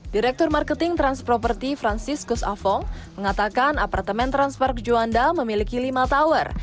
direktur marketing transproperty franciscus avong mengatakan apartemen transpark juanda memiliki lima tower